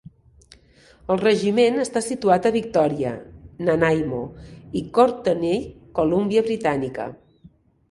El regiment està situat a Victoria, Nanaimo, i Courtenay, Colúmbia Britànica.